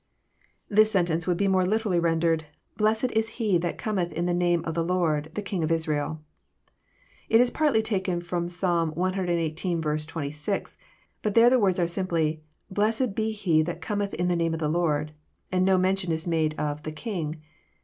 '] This sentence would be more literally rendered Blessed is He that Cometh in the name of the Lord, the king of Israel." It is partly taken from Psalm cxviii. 26; but there the words are simply Blessed be He that cometh in the name of the Lord," and no mention is made of " the king."